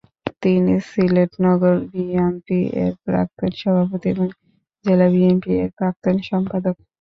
তিনি সিলেট নগর বিএনপি এর প্রাক্তন সভাপতি এবং জেলা বিএনপি এর প্রাক্তন সম্পাদক।